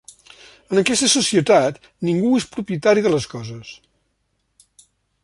En aquesta societat, ningú és propietari de les coses.